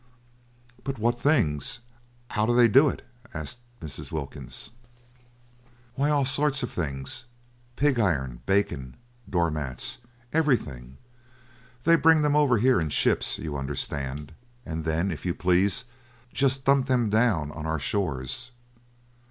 "But what things? 'Ow do they do it?" asked Mrs. Wilkins. "Why, all sorts of things: pig iron, bacon, door mats—everything. They bring them over here—in ships, you understand—and then, if you please, just dump them down upon our shores."